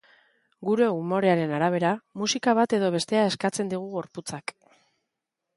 Gure umorearen arabera, musika bat edo bestea eskatzen digu gorputzak.